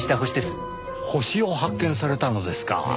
星を発見されたのですか。